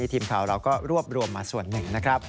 ทีมข่าวเราก็รวบรวมมาส่วนหนึ่งนะครับ